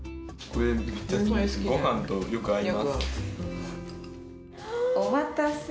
これ、ごはんとよく合います。